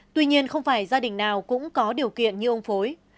tuy nhiên không phải gia đình nào cũng có điều kiện như ông phối